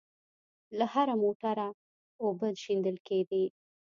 له هره موټره اوبه شېندل کېدې.